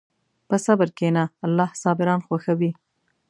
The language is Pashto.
په صبر کښېنه، الله صابران خوښوي.